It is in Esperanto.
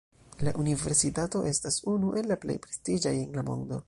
La universitato estas unu el la plej prestiĝaj en la mondo.